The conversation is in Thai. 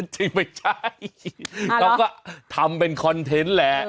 จริงไม่ใช่เขาก็ทำเป็นคอนเทนต์แหละ